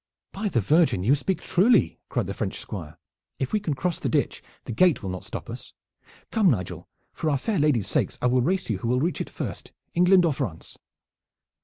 "By the Virgin, you speak truly!" cried the French Squire. "If we can cross the ditch the gate will not stop us. Come, Nigel, for our fair ladies' sakes, I will race you who will reach it first, England or France."